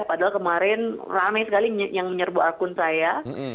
padahal kemarin ramai sekali yang menyerbu akun saya